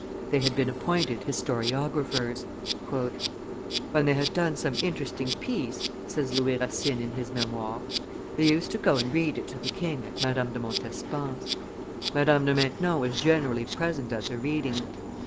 They had been appointed historiographers. "When they had done some interesting piece," says Louis Racine in his Memoires, "they used to go and read it to the king at Madame de Montespan's. Madame de Maintenon was generally present at the reading.